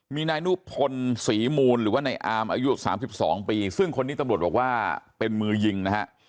มีนายนุพลศรีมูลหรือว่าในอามอายุ๓๒ปีซึ่งคนนี้ตำรวจบอกว่าเป็นมือยิงนะฮะ